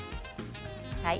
はい。